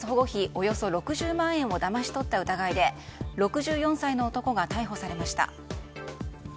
およそ６０万円をだまし取った疑いで６４歳の男が逮捕されました。